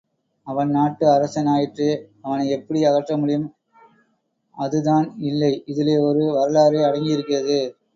அவன் நாட்டு அரசன் ஆயிற்றே, அவனை எப்படி அகற்றமுடியும்? அதுதான் இல்லை இதிலே ஒரு வரலாறே அடங்கி இருக்கிறது.